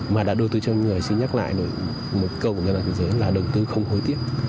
mà đã đầu tư cho con người xin nhắc lại một câu của nhân dân thế giới là đầu tư không hối tiếc